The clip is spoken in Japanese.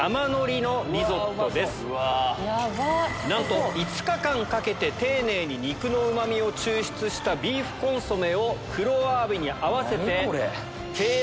なんと５日間かけて丁寧に肉のうま味を抽出したビーフコンソメを黒アワビに合わせて。